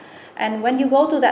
chúng tôi đã giúp giúp kết quả